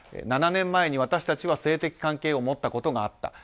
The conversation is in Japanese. ７年前に私たちは性的関係を持ったことがあった。